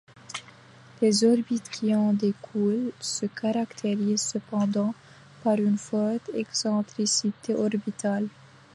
Les orbites qui en découlent se caractérisent cependant par une forte excentricité orbitale.